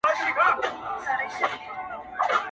خلق پښتو مښتو په تندر ولي، کار وباسي